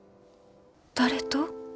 誰と？